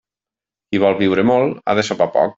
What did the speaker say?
Qui vol viure molt, ha de sopar poc.